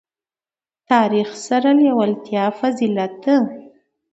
تاریخ سره لېوالتیا فضیلت ده.